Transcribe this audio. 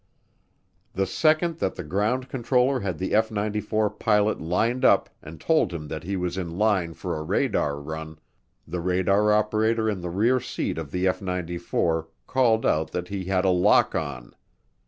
The second that the ground controller had the F 94 pilot lined up and told him that he was in line for a radar run, the radar operator in the rear seat of the F 94 called out that he had a lock on.